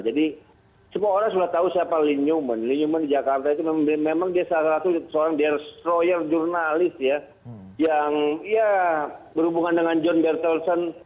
jadi semua orang sudah tahu siapa lin newman lin newman di jakarta itu memang dia salah satu seorang destroyer jurnalis ya yang ya berhubungan dengan john bertelsen